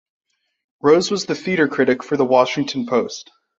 Rose was the theatre critic for the "Washington Post".